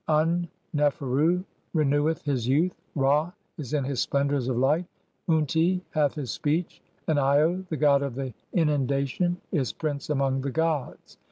Un neferu reneweth [his] youth, Ra is in his splendours 'of light, (7) Unti hath his speech, and lo, the god of the 'Inundation is Prince among the gods.